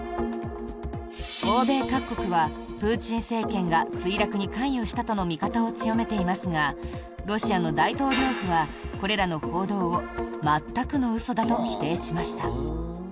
欧米各国は、プーチン政権が墜落に関与したとの見方を強めていますがロシアの大統領府はこれらの報道を全くの嘘だと否定しました。